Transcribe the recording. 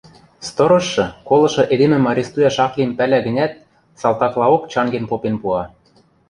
Сторожшы, колышы эдемӹм арестуяш ак лим пӓлӓ гӹнят, салтаклаок чанген попен пуа: